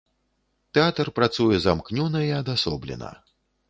Тэатр працуе замкнёна і адасоблена.